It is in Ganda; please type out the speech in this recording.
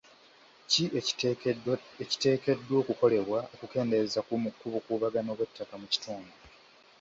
Ki ekiteekeddwa okukolebwa okukendeza ku bukuubagano bw'ettaka mu kitundu?